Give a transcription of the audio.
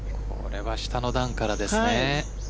これは下の段からですね。